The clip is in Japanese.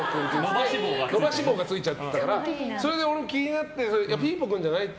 伸ばし棒がついちゃったから俺、それ気になったからピーポ君じゃない？って。